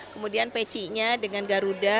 kemudian peciknya dengan garuda